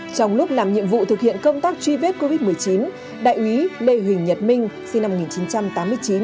trong lúc làm nhiệm vụ thực hiện công tác truy vết covid một mươi chín đại úy lê huỳnh nhật minh sinh năm một nghìn chín trăm tám mươi chín